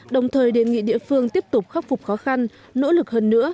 đồng thời đề nghị địa phương tiếp tục khắc phục khó khăn nỗ lực hơn nữa